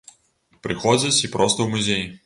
Прыходзяць і проста ў музей.